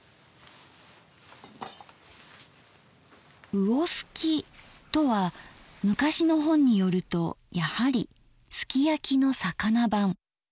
「魚すき」とは昔の本によるとやはりすき焼きの魚版。